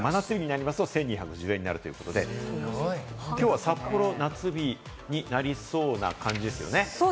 真夏日になりますと１２１０円になるということで、きょうは札幌、夏日になりそうな感じですよね。